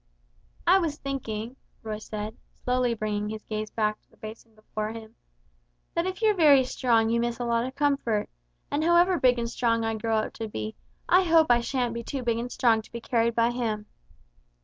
"I was thinking," Roy said, slowly bringing back his gaze to the basin before him; "that if you're very strong you miss a lot of comfort; and however big and strong I grow up to be, I hope I shan't be too big and strong to be carried by Him!"